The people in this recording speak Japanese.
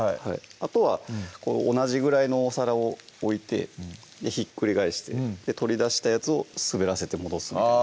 あとは同じぐらいのお皿を置いてひっくり返して取り出したやつを滑らせて戻すみたいな